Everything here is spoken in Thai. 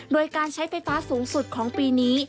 โดยการใช้ไฟฟ้าสูงสุดของปีนี้